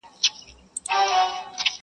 ستا تر پوهي مي خپل نیم عقل په کار دی،